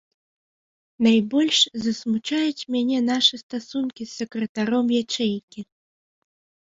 Найбольш засмучаюць мяне нашы стасункі з сакратаром ячэйкі.